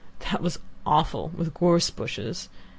That was awful, with gorse bushes.